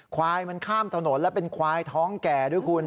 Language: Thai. ควายมันข้ามถนนแล้วเป็นควายท้องแก่ด้วยคุณ